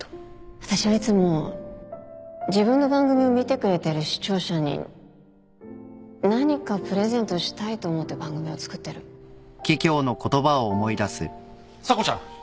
私はいつも自分の番組を見てくれてる視聴者に何かプレゼントしたいと思って番組を作ってる・査子ちゃん。